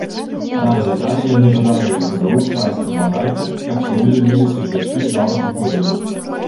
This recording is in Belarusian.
На развітанне яны жадалі гаспадару шчасця, багацця, каб сыны жаніліся і дачкі замуж выходзілі.